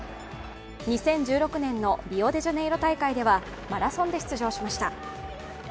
２０１６年のリオデジャネイロ大会ではマラソンで出場しました。